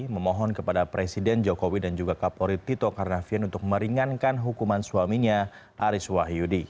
memohon kepada presiden jokowi dan juga kapolri tito karnavian untuk meringankan hukuman suaminya aris wahyudi